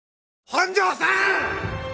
「本庄さん！」